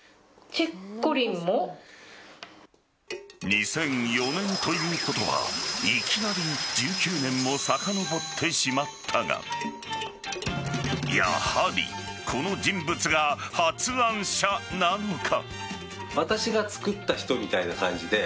２００４年ということはいきなり１９年もさかのぼってしまったがやはりこの人物が発案者なのか。